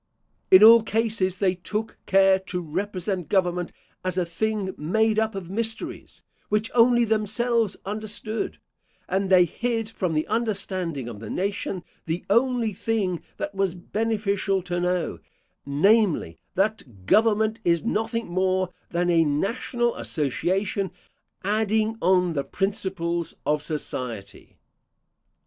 In all cases they took care to represent government as a thing made up of mysteries, which only themselves understood; and they hid from the understanding of the nation the only thing that was beneficial to know, namely, That government is nothing more than a national association adding on the principles of society.